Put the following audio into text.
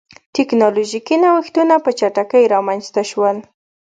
ټکنالوژیکي نوښتونه په چټکۍ رامنځته شول.